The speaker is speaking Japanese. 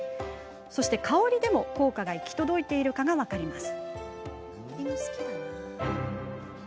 香りでも効果が行き届いているかが分かるそうです。